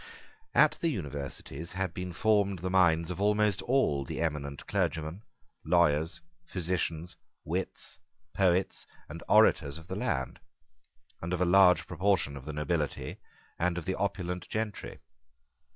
At the Universities had been formed the minds of almost all the eminent clergymen, lawyers, physicians, wits, poets, and orators of the land, and of a large proportion of the nobility and of the opulent gentry.